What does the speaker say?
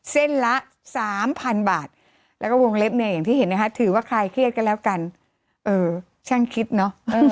เส้นละสามพันบาทแล้วก็วงเล็บเนี่ยอย่างที่เห็นนะคะถือว่าใครเครียดก็แล้วกันเออช่างคิดเนอะ